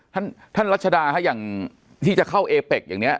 ท่านท่านรัชดาฮะอย่างที่จะเข้าเอเป็กอย่างนี้